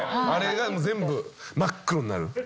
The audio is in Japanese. あれが全部真っ黒になる。